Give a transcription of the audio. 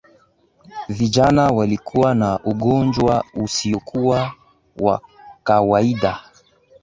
vijana walikuwa na ugonjwa usiyokuwa wa kawaida